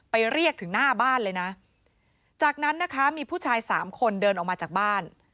เรียกถึงหน้าบ้านเลยนะจากนั้นนะคะมีผู้ชายสามคนเดินออกมาจากบ้าน